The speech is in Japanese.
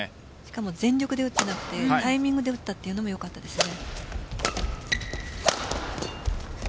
全力で打っていなくてタイミングで打ったというのもよかったですね。